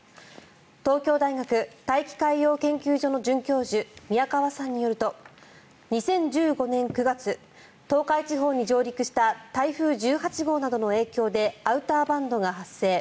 東京大学大気海洋研究所の准教授宮川さんによりますと２０１５年９月東海地方に上陸した台風１８号などの影響でアウターバンドが発生。